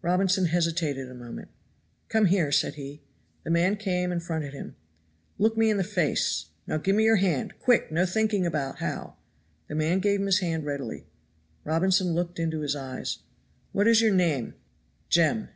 Robinson hesitated a moment. "Come here," said he. The man came and fronted him. "Look me in the face! now give me your hand quick, no thinking about how." The man gave him his hand readily. Robinson looked into his eyes. "What is your name?" "Jem."